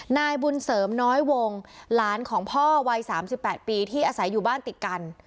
นายบุญเสริมน้อยวงหลานของพ่อวัย๓๘ปีที่อาศัยอยู่บ้านติดกัน